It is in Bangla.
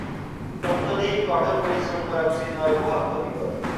অত্যধিক কঠোর পরিশ্রম করা উচিত নয়, উহা ক্ষতিকর।